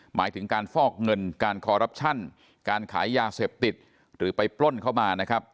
หมายถึงการฟอกเงินการคอรัปชั่นการขายยาเสพติดหรือไปปล้นเข้ามานะครับ